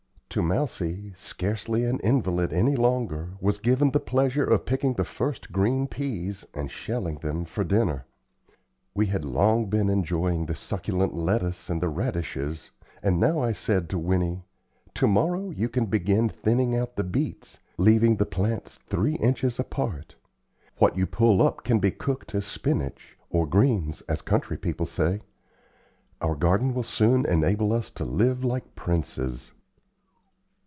To Mousie, scarcely an invalid any longer, was given the pleasure of picking the first green peas and shelling them for dinner. We had long been enjoying the succulent lettuce and the radishes, and now I said to Winnie: "To morrow you can begin thinning out the beets, leaving the plants three inches apart. What you pull up can be cooked as spinach, or 'greens,' as country people say. Our garden will soon enable us to live like princes."